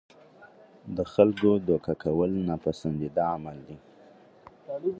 د خلکو دوکه کول ناپسندیده عمل دی.